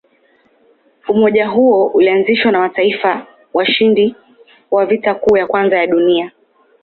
Umoja huo ulianzishwa na mataifa washindi wa Vita Kuu ya Kwanza ya Dunia.